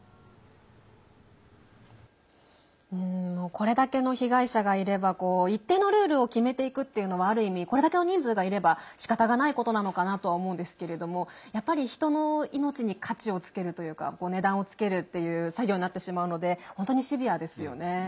これだけの被害者がいれば一定のルールを決めていくっていうのはある意味これだけの人数がいればしかたがないことなのかなとは思うんですけれどもやっぱり人の命に価値をつけるというか値段をつけるっていう作業になってしまうので本当にシビアですよね。